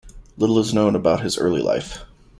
Little is known about his early life.